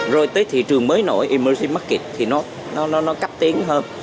rồi tới thị trường mới nổi emishi market thì nó cấp tiến hơn